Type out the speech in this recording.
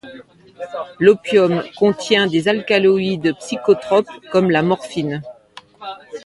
L'opium contient des alcaloïdes psychotropes comme la Morphine.